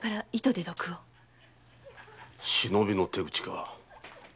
忍びの手口か。